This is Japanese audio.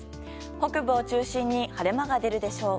北部を中心に晴れ間が出るでしょう。